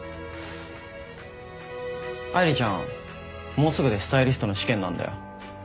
もうすぐでスタイリストの試験なんだよ。